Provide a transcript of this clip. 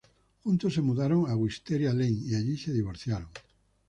Juntos se mudaron a Wisteria Lane y allí se divorciaron.